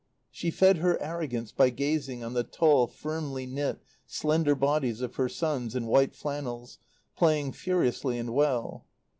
She fed her arrogance by gazing on the tall, firmly knit, slender bodies of her sons, in white flannels, playing furiously and well.